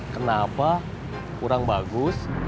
kenapa kurang bagus